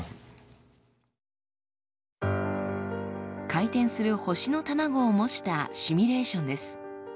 回転する星のタマゴを模したシミュレーションです。